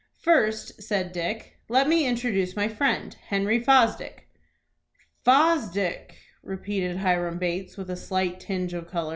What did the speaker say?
"First," said Dick, "let me introduce my friend Henry Fosdick." "Fosdick!" repeated Hiram Bates, with a slight tinge of color.